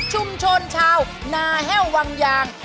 ชุมชนชาวนาแห้ววังยาง